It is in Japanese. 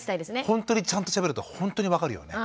ほんとにちゃんとしゃべるとほんとに分かるよね。